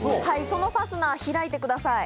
そのファスナー開いてください。